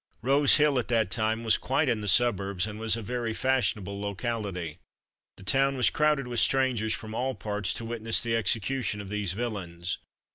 Rose Hill at that time was quite in the suburbs, and was a very fashionable locality. The town was crowded with strangers from all parts to witness the execution of these villains.